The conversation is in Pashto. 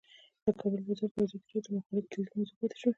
د کار بازار د ازادي راډیو د مقالو کلیدي موضوع پاتې شوی.